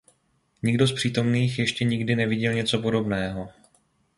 Nikdo z přítomných ještě nikdy neviděl něco podobného.